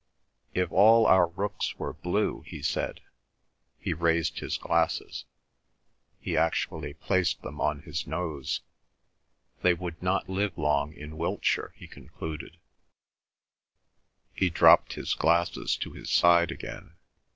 "If all our rooks were blue," he said,—he raised his glasses; he actually placed them on his nose—"they would not live long in Wiltshire," he concluded; he dropped his glasses to his side again.